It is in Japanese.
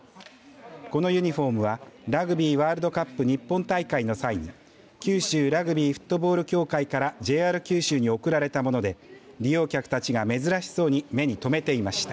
このユニフォームはラグビーワールドカップ日本大会の際に、九州ラグビーフットボール協会からＪＲ九州に贈られたもので利用客たちが珍しそうに目に留めていました。